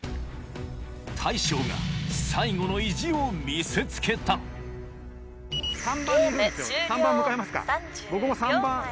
大将が最後の意地を見せつけた３番にいるんですよ。